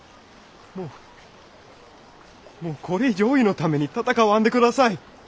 もうもうこれ以上おいのために戦わんで下さい。